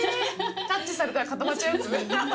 タッチされたら固まっちゃうやつ？